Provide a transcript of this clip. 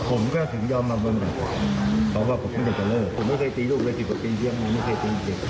แต่พอมันเกิดอย่างนั้นพี่รับฝากแล้วพี่รับฝากแล้ว